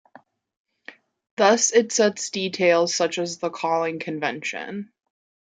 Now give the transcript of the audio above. Thus it sets details such as the calling convention.